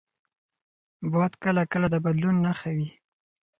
باد کله کله د بدلون نښه وي